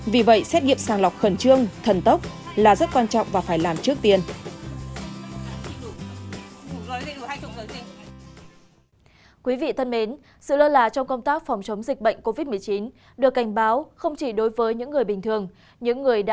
vì vậy xét nghiệm sàng lọc khẩn trương